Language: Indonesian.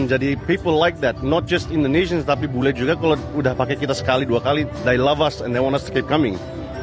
jadi people like that not just indonesians tapi boleh juga kalau udah pakai kita sekali dua kali they love us and they want us to keep coming